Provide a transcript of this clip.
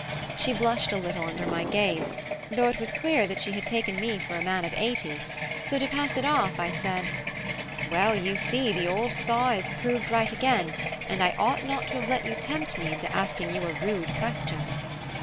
She blushed a little under my gaze, though it was clear that she had taken me for a man of eighty; so to pass it off I said "Well, you see, the old saw is proved right again, and I ought not to have let you tempt me into asking you a rude question."